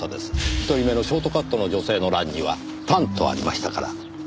一人目のショートカットの女性の欄には「短」とありましたから。